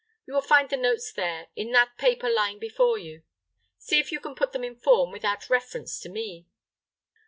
You will find the notes there in that paper lying before you. See if you can put them in form without reference to me."